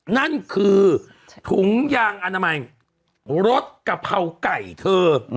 นั่นคือถุงยางอนามัยรสกะเพราไก่เธอ